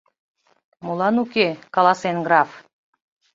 Молан уке, каласен граф?!